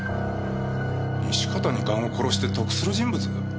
西片二冠を殺して得する人物？